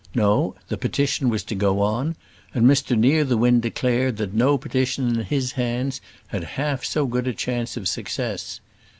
No; the petition was to go on; and Mr Nearthewinde declared, that no petition in his hands had half so good a chance of success.